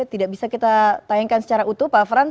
tidak bisa kita tayangkan secara utuh pak frans